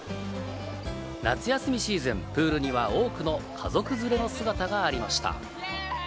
夏休みシーズン、プールには多くの家族連れの姿がありました。